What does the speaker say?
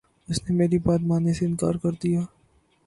اس نے میری بات ماننے سے انکار کر دیا